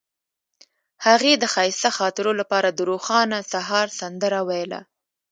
هغې د ښایسته خاطرو لپاره د روښانه سهار سندره ویله.